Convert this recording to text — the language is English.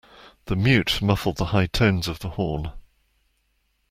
The mute muffled the high tones of the horn.